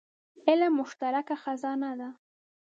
علم مشترکه خزانه ده.